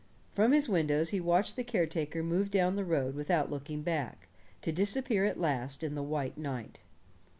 From his windows he watched the caretaker move down the road without looking back, to disappear at last in the white night.